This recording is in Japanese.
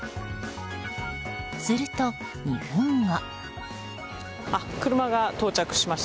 すると２分後。